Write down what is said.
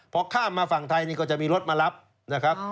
พอข้ามมาฝั่งไทยนี่ก็จะมีรถมารับนะครับ